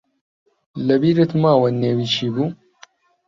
لەبیرت ماوە نێوی چی بوو؟